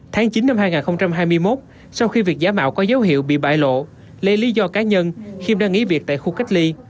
tháng chín năm hai nghìn hai mươi một sau khi việc giả mạo có dấu hiệu bị bại lộ lấy lý do cá nhân khiêm đang nghỉ việc tại khu cách ly